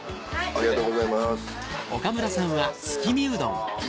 ありがとうございますどうも。